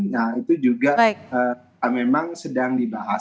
nah itu juga memang sedang dibahas